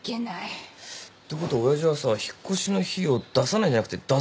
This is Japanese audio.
てことは親父はさ引っ越しの費用出さないんじゃなくて出せないってこと？